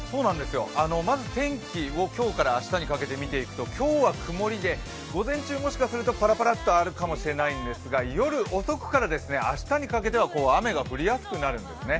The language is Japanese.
まず天気を今日から明日にかけて見ていくと今日は曇りで午前中、もしかしたらパラパラとあるかもしれないんですが、夜遅くから明日にかけては雨が降りやすくなるんですね。